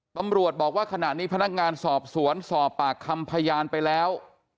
ตำรวจบอกว่าขณะนี้พนักงานสอบสวนสอบปากคำพยานไปแล้ว